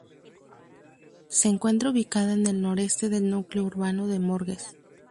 Se encuentra ubicada en el noreste del núcleo urbano de Morges.